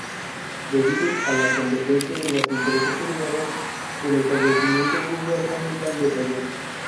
Debido a la competencia de las empresas privadas, el establecimiento gubernamental decayó.